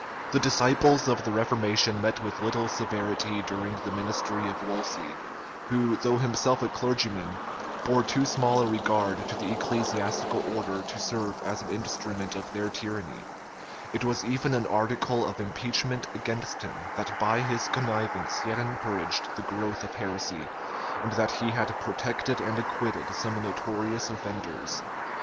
[*] The disciples of the reformation met with little severity during the ministry of Wolsey, who, though himself a clergyman, bore too small a regard to the ecclesiastical order to serve as an instrument of their tyranny: it was even an article of impeachment against him,[] that by his connivance he had encouraged the growth of heresy, and that he had protected and acquitted some notorious offenders.